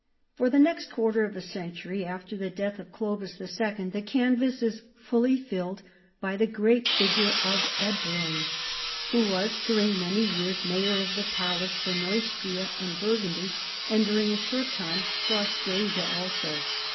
For the next quarter of a century after the death of Clovis IT. the canvas is fully filled by the great figure of El)roin, who was during many years mayor 40 CHARLEMAGNE. of the palace for Neustria and Burgundy, and during a short time for Austrasia also.